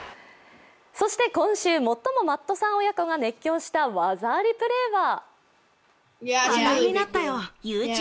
そして今週最もマットさん親子が熱狂した技ありプレーは？